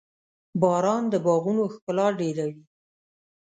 • باران د باغونو ښکلا ډېروي.